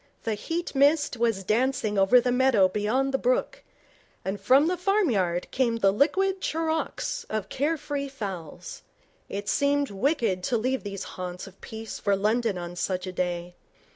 The heat mist was dancing over the meadow beyond the brook, and from the farmyard came the liquid charawks of care free fowls. It seemed wicked to leave these haunts of peace for London on such a day.